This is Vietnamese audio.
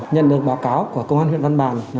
nhận được báo cáo của công an huyện văn bàn